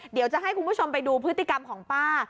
เดี๋ยวจะให้คุณผู้ชมไปดูพฤติกรรมของป้า